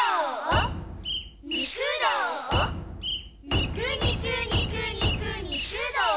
肉肉肉肉肉、どーお？